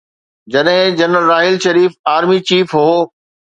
جڏهن general Raheel Sharif army chief هو.